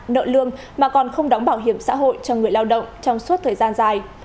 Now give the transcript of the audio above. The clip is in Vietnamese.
nợ lương mà còn không đóng bảo hiểm xã hội cho người lao động trong suốt thời gian dài